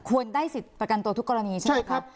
ได้สิทธิ์ประกันตัวทุกกรณีใช่ไหมครับ